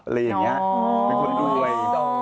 เป็นคนด้วย